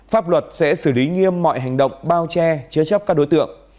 pháp luật sẽ xử lý nghiêm mọi hành động bao che chứa chấp các đối tượng